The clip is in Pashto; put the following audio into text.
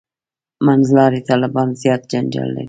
«منځلاري طالبان» زیات جنجال لري.